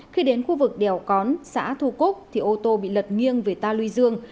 khi đến khu vực đèo cón xã thu cúc thì ô tô bị lật nghiêng về ta luy dương